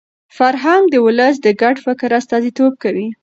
فرهنګ د ولس د ګډ فکر استازیتوب کوي.